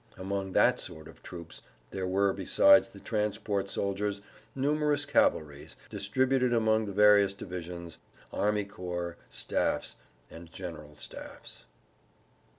Among that sort of troops there were besides the transport soldiers numerous cavalry distributed among the various divisions, army corps staffs, and general staffs.